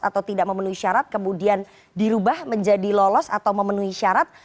atau tidak memenuhi syarat kemudian dirubah menjadi lolos atau memenuhi syarat